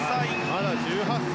まだ１８歳。